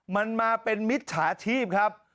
มันมาเป็นมิจฉาชีพครับ